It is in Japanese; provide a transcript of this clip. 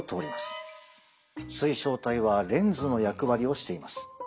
水晶体はレンズの役割をしています。